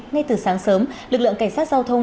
ngay từ sáng sớm lực lượng cảnh sát giao thông